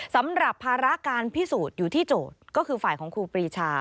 สำหรับภาระการพิสูจน์อยู่ที่โจทย์ก็คือฝ่ายของครูปรีชา